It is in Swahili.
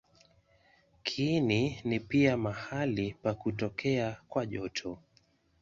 Kiini ni pia mahali pa kutokea kwa joto.